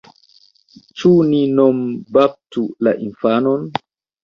Ĉu ni nom-baptu la infanon?